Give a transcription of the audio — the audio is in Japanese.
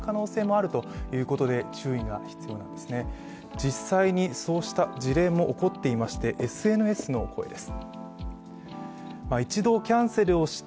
実際にそうした事例も起こっていましてＳＮＳの声です。